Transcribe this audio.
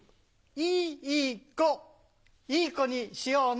イイコいい子にしようね！